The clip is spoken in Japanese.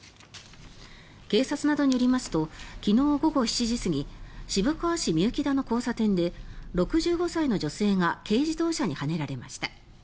警察などによりますと昨日午後７時過ぎ渋川市行幸田の交差点で６５歳の女性が軽自動車にはねられました。